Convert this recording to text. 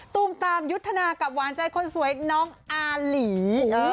ตูมตามยุทธนากับหวานใจคนสวยน้องอาหลี